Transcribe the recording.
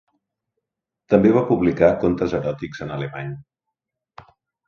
També va publicar contes eròtics en alemany.